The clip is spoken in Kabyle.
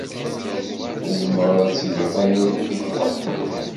Tzemreḍ ad tgeḍ ayen i m-yehwan.